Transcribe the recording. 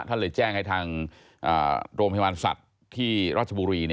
ท่านเลยแจ้งให้ทางโรงพยาบาลสัตว์ที่ราชบุรี